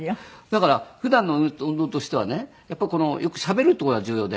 だから普段の運動としてはねやっぱりこのよくしゃべるっていう事が重要で。